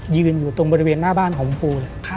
ยืนอยู่ตรงบริเวณหน้าบ้านของครูเลย